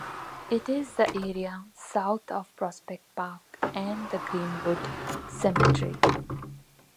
It is the area south of Prospect Park and the Green-Wood Cemetery.